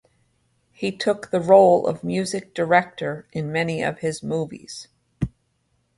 He took the role of music director in many of his movies.